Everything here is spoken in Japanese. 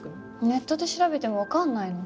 ネットで調べてもわかんないの。